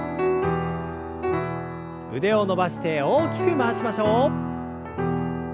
腕を伸ばして大きく回しましょう。